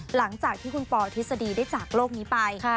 หลังจากที่คุณปอทฤษฎีได้จากโลกนี้ไป